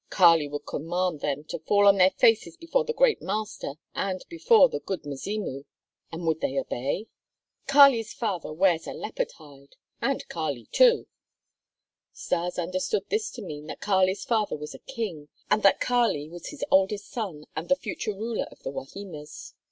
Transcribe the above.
"Kali would command them to fall on their faces before the great master and before the 'Good Mzimu.'" "And would they obey?" "Kali's father wears a leopard's hide and Kali, too." Stas understood this to mean that Kali's father was a king, and that Kali was his oldest son and the future ruler of the Wahimas.